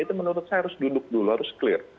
itu menurut saya harus duduk dulu harus clear